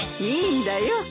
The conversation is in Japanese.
いいんだよ。